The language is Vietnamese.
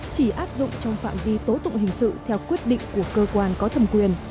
chỉ áp dụng trong phạm vi tố tụng hình sự theo quyết định của cơ quan có thẩm quyền